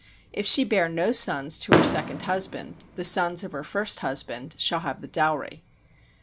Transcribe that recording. If she bear no sons to her second husband, the sons of her first husband shall have the dowry.